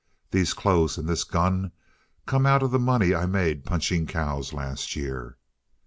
These clothes and this gun come out of the money I made punching cows last year.